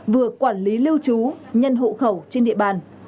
vừa quản lý lưu trú nhân hộ khẩu trên địa bàn